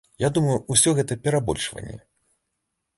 Я думаю, усё гэта перабольшванне.